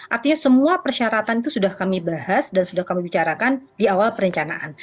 artinya semua persyaratan itu sudah kami bahas dan sudah kami bicarakan di awal perencanaan